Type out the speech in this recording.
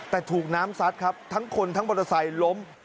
แต่ถูกน้ำซัดครับทั้งคนทั้งมอเตอร์ไซค์ล้ม